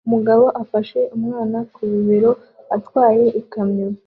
Umugabo afashe umwana ku bibero atwaye ikamyo